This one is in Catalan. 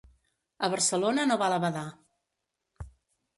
A Barcelona no val a badar.